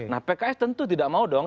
nah pks tentu tidak mau dong